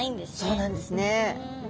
そうなんですね。